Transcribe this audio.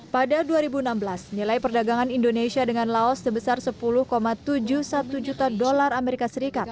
pada dua ribu enam belas nilai perdagangan indonesia dengan laos sebesar sepuluh tujuh puluh satu juta dolar as